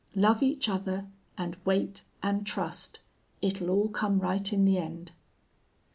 Love each other and wait and trust! It'll all come right in the end!'...